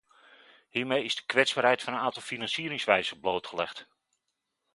Hiermee is de kwetsbaarheid van een aantal financieringswijzen blootgelegd.